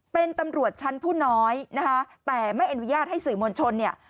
เป็นตำรวจชั้นผู้น้อยนะคะแต่ไม่อนุญาตให้สื่อมวลชนเนี่ย